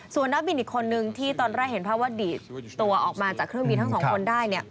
ส่วนนับบินอีกคนนึงที่ตอนแรกเห็นว่าดีตัวออกมาจากเครื่องวินทั้ง๒คนได้